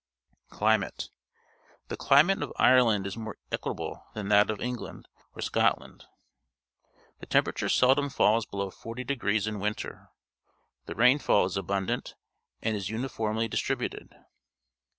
Climate. — The climate of Ireland is more equable than that of England or Scotland. The temperature seldom falls below 40° in winter. The rainfall is abundant and is uniformly distributed.